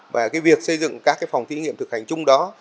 và cái việc xây dựng các phòng thí nghiệm thực hành chung đó